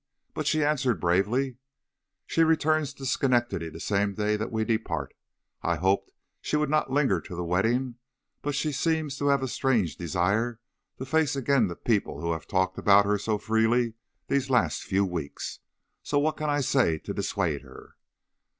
But she answered bravely: "'She returns to Schenectady the same day that we depart. I hoped she would not linger to the wedding, but she seems to have a strange desire to face again the people who have talked about her so freely these last few weeks. So what can I say to dissuade her?'